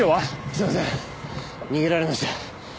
すいません逃げられました。